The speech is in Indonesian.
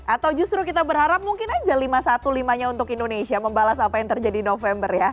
atau justru kita berharap mungkin aja lima satu lima nya untuk indonesia membalas apa yang terjadi november ya